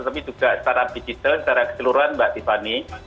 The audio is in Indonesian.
tapi juga secara digital secara keseluruhan mbak tiffany